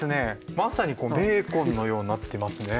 まさにこのベーコンのようになってますね。